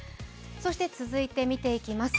続いて見ていきます。